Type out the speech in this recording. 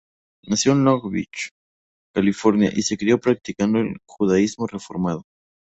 Nació en Long Beach, California, y se crio practicando el judaísmo reformado.